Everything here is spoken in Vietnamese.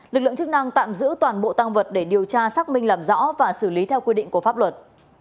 lực lượng chức năng tạm giữ toàn bộ tăng vật để điều tra xác minh làm rõ và xử lý theo quy định của pháp luật